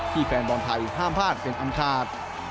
แฟนบอลไทยห้ามพลาดเป็นอันขาด